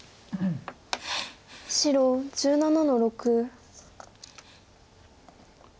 白１７の六。